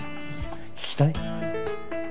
聞きたい？